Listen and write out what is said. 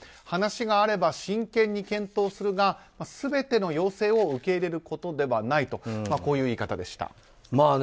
話があれば真剣に検討するが全ての要請を受け入れることではないとこういう言い方でした。